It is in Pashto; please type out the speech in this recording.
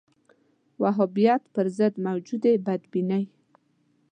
وهابیت پر ضد موجودې بدبینۍ